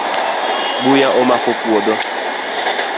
Buya omako puodho